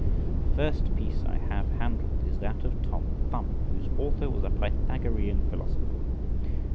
The first piece I have handled is that of "Tom Thumb," whose author was a Pythagorean philosopher.